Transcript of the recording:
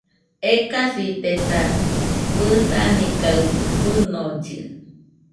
Ekasitesa, bɨsani kaɨ fɨnollɨ